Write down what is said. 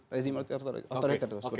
resim otiriter seperti itu